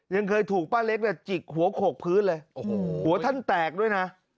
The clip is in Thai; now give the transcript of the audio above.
ยังเคยถูกป้าเล็กจิกหัวโขกพื้นเลยหัวท่านแตกด้วยนะ